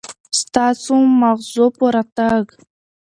ستاسو معززو په راتګ